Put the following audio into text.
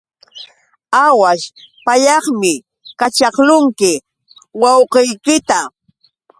Aawaśh pallaqmi kaćhaqlunki wawqiykita.